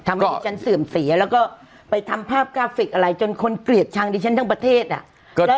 ทำให้ดิฉันเสื่อมเสียแล้วก็ไปทำภาพกราฟิกอะไรจนคนเกลียดชังดิฉันทั้งประเทศอ่ะ